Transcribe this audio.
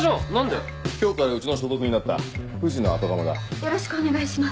よろしくお願いします。